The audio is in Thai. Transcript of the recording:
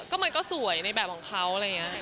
ก็มันก็สวยในแบบของเขาอะไรอย่างนี้